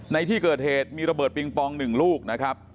ในที่เกิดเหตุมีระเบิดปิงปอง๑ลูกนะครับ